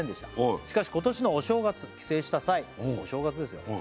しかし今年のお正月帰省した際お正月ですよ